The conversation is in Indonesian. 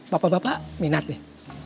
bapak bapak minat nih